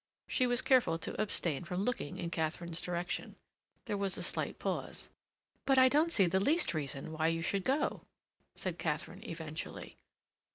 She was careful to abstain from looking in Katharine's direction. There was a slight pause. "But I don't see the least reason why you should go," said Katharine eventually.